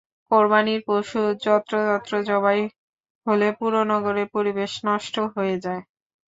কোরবানির পশু যত্রতত্র জবাই হলে পুরো নগরের পরিবেশ নষ্ট হয়ে যায়।